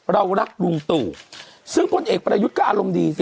เรารักลุงตู่ซึ่งพลเอกประยุทธ์ก็อารมณ์ดีสิ